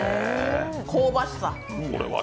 香ばしさ。